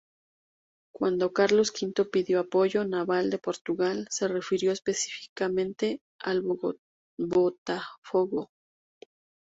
Cuando Carlos V pidió apoyo naval de Portugal, se refirió específicamente al Botafogo.